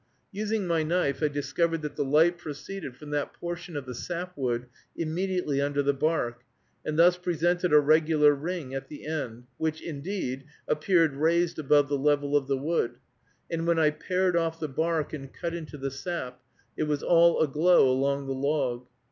Using my knife, I discovered that the light proceeded from that portion of the sap wood immediately under the bark, and thus presented a regular ring at the end, which, indeed, appeared raised above the level of the wood, and when I pared off the bark and cut into the sap, it was all aglow along the log.